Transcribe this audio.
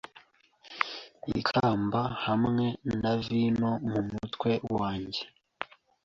Ikamba hamwe na vino mumutwe wanjye